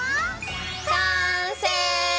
完成！